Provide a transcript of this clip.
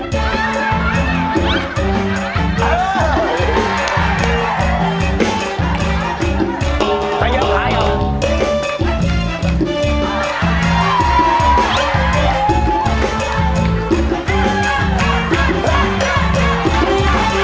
เธอย้ำทายหรือ